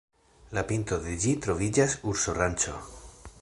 La pinto de ĝi troviĝas urso-ranĉo.